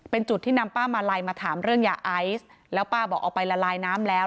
เป็นจุดที่นำป้ามาลัยมาถามเรื่องยาไอซ์แล้วป้าบอกเอาไปละลายน้ำแล้ว